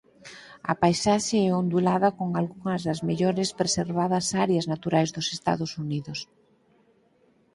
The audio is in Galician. A paisaxe é ondulada con algunhas das mellores preservadas áreas naturais dos Estados Unidos.